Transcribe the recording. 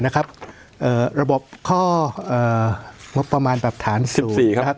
นะครับเอ่อระบบข้อเอ่องบประมาณแบบฐานศูนย์สิบสี่ครับ